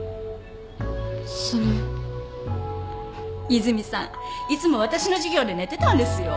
和泉さんいつも私の授業で寝てたんですよ。